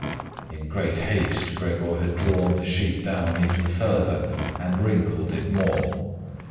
In great haste Gregor had drawn the sheet down even further and wrinkled it more.